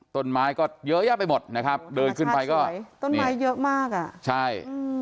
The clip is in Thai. ต้นไม้ก็เยอะแยะไปหมดนะครับเดินขึ้นไปก็ต้นไม้เยอะมากอ่ะใช่อืม